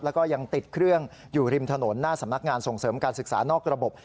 แล้วก็ยังติดเครื่องอยู่ริมถนนหน้าสำนักงานส่งเสริมการศึกษานอกระบบ